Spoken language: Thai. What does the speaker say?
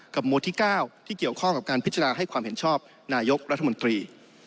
หมวดที่๙ที่เกี่ยวข้องกับการพิจารณาให้ความเห็นชอบนายกรัฐมนตรี